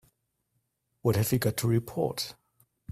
What have you got to report?